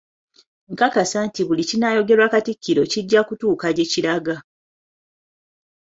Nkakasa nti buli ekinaayogerwa Katikkiro kijja kutuuka gye kiraga